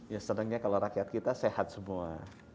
ya senangnya kalau rakyat kita sehat semua